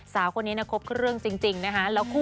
สาวคนนี้ครบเครื่องจริงนะคะ